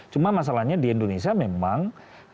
cuma masalahnya di indonesia memang